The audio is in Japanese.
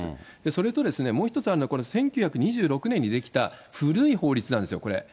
それともう１つあるのは、１９２６年に出来た古い法律なんですよ、これ。